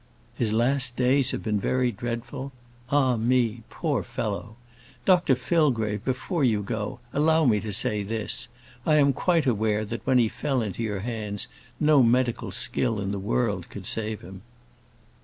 "His last days have been very dreadful! Ah, me, poor fellow! Dr Fillgrave, before you go, allow me to say this: I am quite aware that when he fell into your hands, no medical skill in the world could save him."